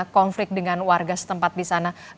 konflik dengan warga setempat di sana